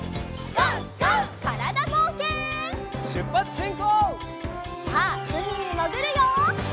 さあうみにもぐるよ！